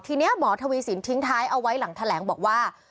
ทีนี้หมอทวีสินทิ้งท้ายเอาไว้หลังแถลงบอกว่า